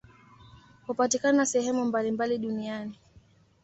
Hupatikana sehemu mbalimbali duniani.